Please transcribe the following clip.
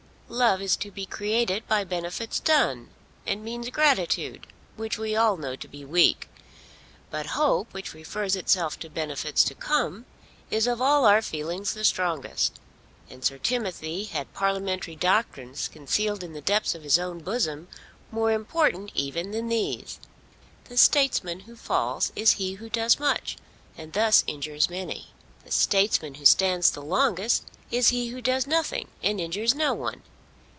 Love is to be created by benefits done, and means gratitude, which we all know to be weak. But hope, which refers itself to benefits to come, is of all our feelings the strongest. And Sir Timothy had parliamentary doctrines concealed in the depths of his own bosom more important even than these. The Statesman who falls is he who does much, and thus injures many. The Statesman who stands the longest is he who does nothing and injures no one.